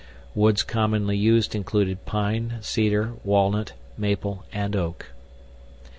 Woods commonly used included pine, cedar, walnut, maple, and oak.